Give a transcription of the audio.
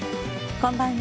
こんばんは。